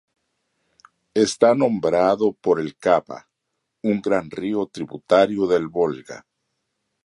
Está nombrado por el Kama, un gran río tributario del Volga.